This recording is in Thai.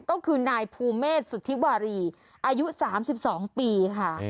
ก็คือนายภูเมษสุธิวารีอายุ๓๒ปีค่ะ